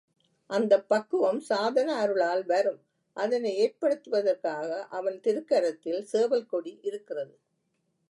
அந்தப் பக்குவம் சாதன அருளால் வரும் அதனை ஏற்படுத்துவதற்காக அவன் திருக்கரத்தில் சேவல் கொடி இருக்கிறது.